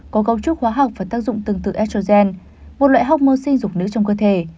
có cấu trúc hóa học và tác dụng tương tự estrogen một loại học mơ sinh dục nữ trong cơ thể